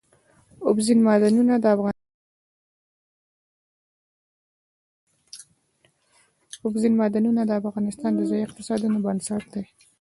اوبزین معدنونه د افغانستان د ځایي اقتصادونو بنسټ دی.